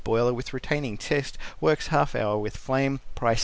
Boiler with Retaining Chest works 1/2 hour with flame Price